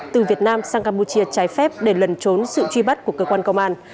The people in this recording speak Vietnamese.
từ việt nam sang campuchia trái phép để lần trốn sự truy bắt của cơ quan công an